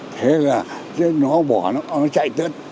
thế là nó bỏ nó nó chạy tới